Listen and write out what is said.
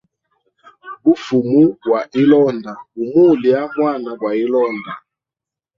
Bufumu bwa hilonda bumulya mwana gwa ilonda.